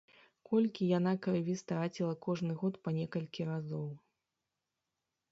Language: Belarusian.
Колькі яна крыві страціла кожны год па некалькі разоў.